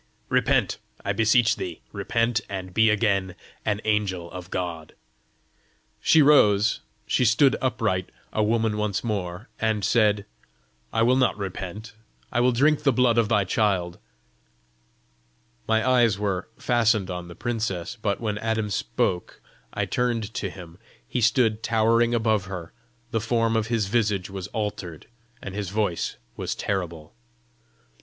Repent, I beseech thee; repent, and be again an angel of God!" She rose, she stood upright, a woman once more, and said, "I will not repent. I will drink the blood of thy child." My eyes were fastened on the princess; but when Adam spoke, I turned to him: he stood towering above her; the form of his visage was altered, and his voice was terrible.